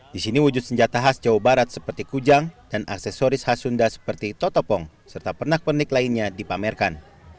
di sini wujud senjata khas jawa barat seperti kujang dan aksesoris khas sunda seperti totopong serta pernak pernik lainnya dipamerkan